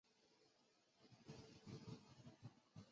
有研究提出双三嗪基吡啶。